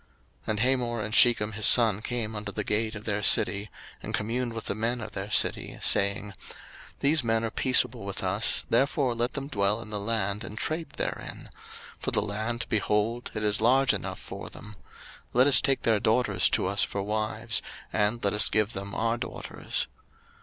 01:034:020 And Hamor and Shechem his son came unto the gate of their city, and communed with the men of their city, saying, 01:034:021 These men are peaceable with us; therefore let them dwell in the land, and trade therein; for the land, behold, it is large enough for them; let us take their daughters to us for wives, and let us give them our daughters.